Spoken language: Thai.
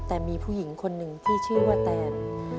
แต่มีผู้หญิงคนหนึ่งที่ชื่อว่าแตน